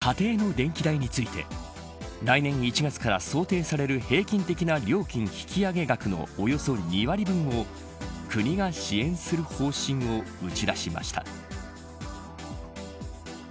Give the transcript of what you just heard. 家庭の電気代について来年１月から想定される平均的な料金引き上げ額のおよそ２割分を国が支援する方針を打ち出しました。